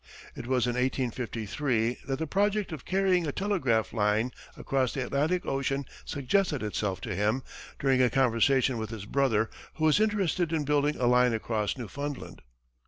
It was in 1853 that the project of carrying a telegraph line across the Atlantic ocean suggested itself to him during a conversation with his brother, who was interested in building a line across Newfoundland.